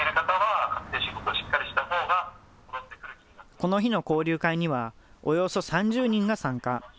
この日の交流会には、およそ３０人が参加。